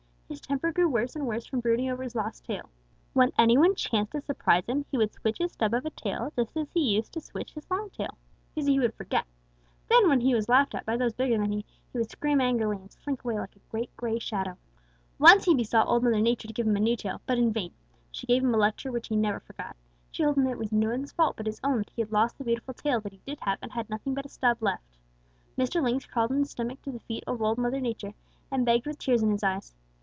His temper grew worse and worse from brooding over his lost tail. When any one chanced to surprise him, he would switch his stub of a tail just as he used to switch his long tail. You see he would forget. Then when he was laughed at by those bigger than he, he would scream angrily and slink away like a great, gray shadow. "Once he besought Old Mother Nature to give him a new tail, but in vain. She gave him a lecture which he never forgot. She told him that it was no one's fault but his own that he had lost the beautiful tail that he did have and had nothing but a stub left. Mr. Lynx crawled on his stomach to the feet of Old Mother Nature and begged with tears in his eyes.